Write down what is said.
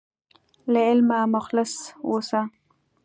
له علمه مخلص اوسه.